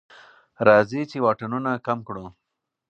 راځئ چې واټنونه کم کړو.